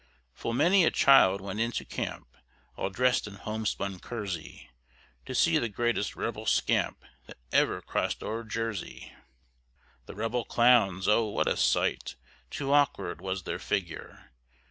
Full many a child went into camp, All dressed in homespun kersey, To see the greatest rebel scamp That ever cross'd o'er Jersey. The rebel clowns, oh! what a sight! Too awkward was their figure.